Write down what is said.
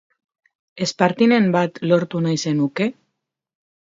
Espartinen bat lortu nahi al zenuke?